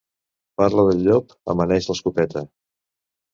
Parla del llop, amaneix l'escopeta.